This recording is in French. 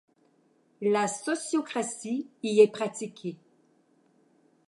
La sociocratie y est pratiquée.